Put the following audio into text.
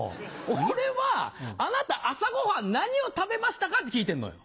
俺はあなた朝ご飯何を食べましたかって聞いてんのよ。